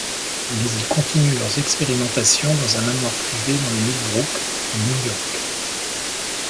Mais ils continuent leurs expérimentations dans un manoir privé dans le Millbrook, New York.